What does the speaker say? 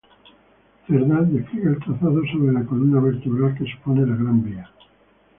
Cerdá despliega el trazado sobre la columna vertebral que supone la Gran Vía.